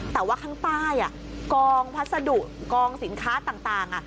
แต่ว่าข้างใต้กองพัสดุกองสินค้าต่าง